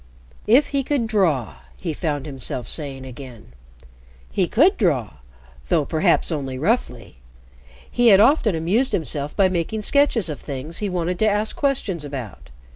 If he could draw, he found himself saying again. He could draw, though perhaps only roughly. He had often amused himself by making sketches of things he wanted to ask questions about.